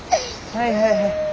はいはいはい。